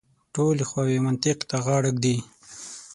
ټولې خواوې منطق ته غاړه کېږدي.